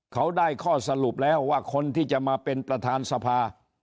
เขาได้ข้อสรุปแล้วว่าคนที่จะมาเป็นประธานสภา